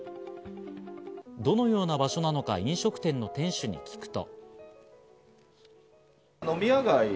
どのような場所なのか飲食店の店主に聞くと。